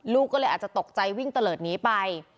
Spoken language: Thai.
ลูกก็เลยอาจจะตกใจวิ่งตะเลิศหนีไป